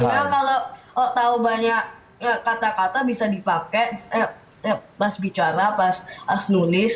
karena kalau tahu banyak kata kata bisa dipakai pas bicara pas nulis